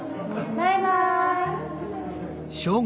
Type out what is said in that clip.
バイバイ。